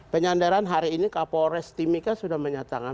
penyandaran hari ini kapolres timika sudah menyatakan